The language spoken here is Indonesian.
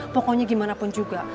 pokoknya gimana pun juga